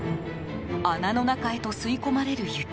穴の中へと吸い込まれる雪。